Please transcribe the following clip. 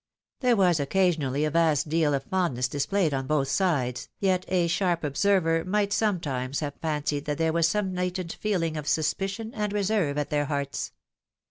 There was occasionally a vast deal of fondness displayed on both sides, yet a sharp observer might sometimes have fancied that there was some latent feeling of suspicion and reserve at their hearts.